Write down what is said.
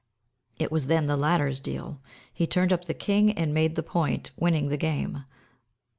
It was then the latter's deal; he turned up the king and made the point, winning the game.